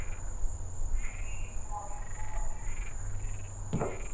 তবে কম্পিউটারের সেই সংজ্ঞা প্রতিনিয়ত পরিবর্তিত হচ্ছে।